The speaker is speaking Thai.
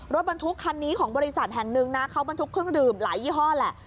รถบรรทุกคันนี้ของบริษัทแห่งหนึ่งนะเขาบรรทุกเครื่องดื่มหลายยี่ห้อแหละ